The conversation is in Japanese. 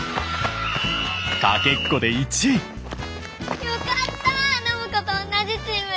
よかった暢子と同じチームで。